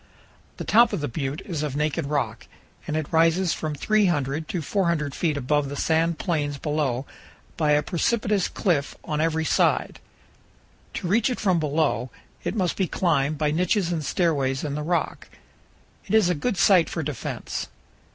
The top of the butte is of naked rock, and it rises from 300 to 400 feet above the sand plains below by a precipitous cliff on every side. To reach it from below, it must be climbed by niches and stairways in the rock. It is a good site for defense.